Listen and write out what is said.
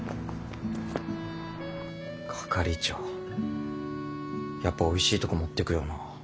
係長やっぱおいしいとこ持ってくよな。